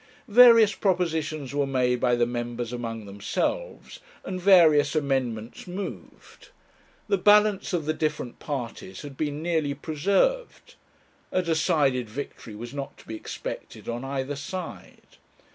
Various propositions were made by the members among themselves, and various amendments moved. The balance of the different parties had been nearly preserved. A decided victory was not to be expected on either side.